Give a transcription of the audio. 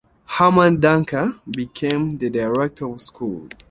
Hermann Duncker became the director of school.